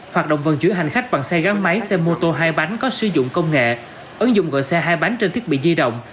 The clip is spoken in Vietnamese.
hoạt động vận chuyển hành khách bằng xe gắn máy xe mô tô hai bánh có sử dụng công nghệ ứng dụng gọi xe hai bánh trên thiết bị di động